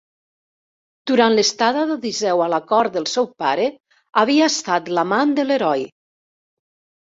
Durant l'estada d'Odisseu a la cort del seu pare, havia estat l'amant de l'heroi.